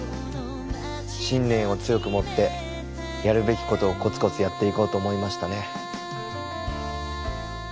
信念を強く持ってやるべきことをコツコツやっていこうと思いましたね。